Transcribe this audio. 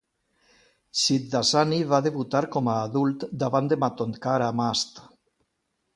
Shivdasani va debutar com a adult davant de Matondkar a "Mast".